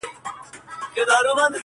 چي بیا زما د ژوند شکايت درنه وړي و تاته!!